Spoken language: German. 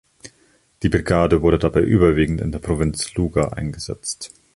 Die Brigade wurde dabei überwiegend in der Provinz Lugar eingesetzt.